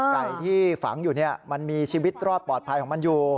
ไก่ที่ฝังอยู่มันมีชีวิตรอดปลอดภัยของมันอยู่